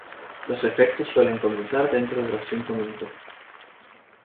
Los efectos suelen comenzar dentro de los cinco minutos.